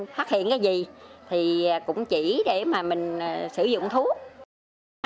phát hiện cái gì thì cũng chỉ để mà mình sử dụng thuốc